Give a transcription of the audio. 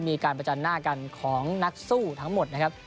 มีการประจันหน้ากันของนักสู้ทั้งหมดนะครับ